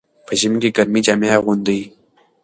په ژمي کې ګرمې جامې اغوندئ.